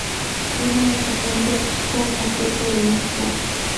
Tiene un asistente con aspecto de monstruo.